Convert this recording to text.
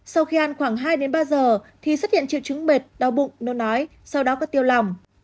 sau khi ăn khoảng hai ba giờ thì xuất hiện triệu chứng bệt đau bụng nôn nói sau đó có tiêu lỏng